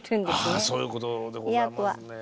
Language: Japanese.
ああそういうことでございますね。